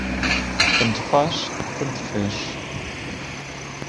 Tanto faz, tanto fez.